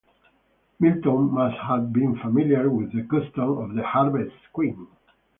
Milton must have been familiar with the custom of the Harvest Queen.